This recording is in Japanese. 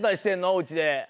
おうちで。